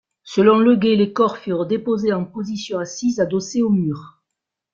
Selon Leguay, les corps furent déposés en position assise, adossés au mur.